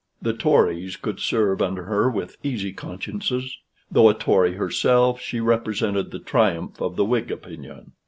The Tories could serve under her with easy consciences; though a Tory herself, she represented the triumph of the Whig opinion.